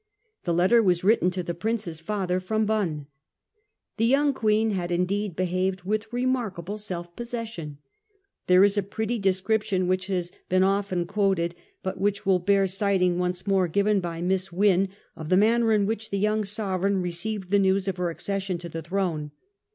The letter was written to the Prince's father, from Bonn. The young Queen had indeed behaved with remarkable self possession. There is a pretty description, which has been often quoted, but will bear citing once more, given by Miss Wynn of the manner in which the young sovereign received the news of her accession to a throne.